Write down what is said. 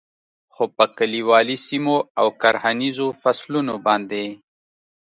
خو په کلیوالي سیمو او کرهنیزو فصلونو باندې